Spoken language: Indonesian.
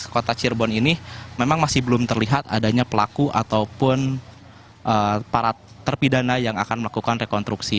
kota cirebon ini memang masih belum terlihat adanya pelaku ataupun para terpidana yang akan melakukan rekonstruksi